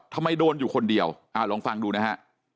โดนอยู่คนเดียวลองฟังดูนะฮะ